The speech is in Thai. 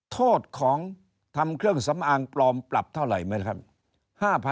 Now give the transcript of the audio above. โทษของทำเครื่องสำอางปลอมปรับเท่าไหร่ไหมครับ